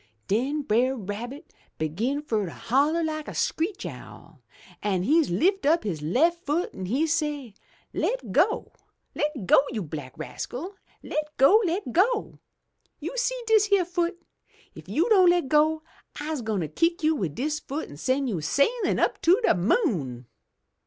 Den Brer Rabbit begin fur to holler like a screech owl, an' he lift up his left foot an' he say, 'Le' go! Le' go, you black rascal! Le' go! Le' go! You see dis yere foot? If you don' le' go, I'se gwine kick you wid dis foot an' sen' you sailin' up to de moon!'